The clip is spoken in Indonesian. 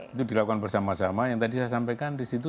itu dilakukan bersama sama yang tadi saya sampaikan disitu